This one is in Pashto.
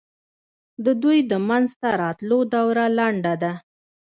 د دوی د منځته راتلو دوره لنډه ده.